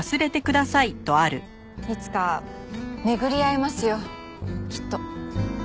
いつか巡り会えますよきっと。